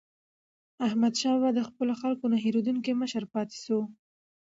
احمدشاه بابا د خپلو خلکو نه هېریدونکی مشر پاتې سو.